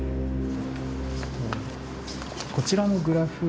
こちらのグラフ。